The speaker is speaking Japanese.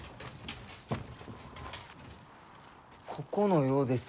ここのようです。